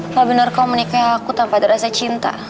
kalau benar kamu menikahi aku tanpa ada rasa cinta